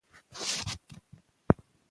که ټولنه بې پروا وي، ټولنیز بحران رامنځته کیږي.